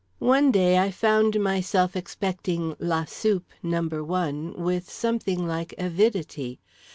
One day I found myself expecting La Soupe Number 1 with something like avidity.